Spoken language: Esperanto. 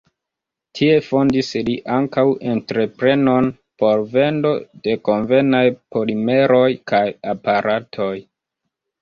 Tie fondis li ankaŭ entreprenon por vendo de konvenaj polimeroj kaj aparatoj.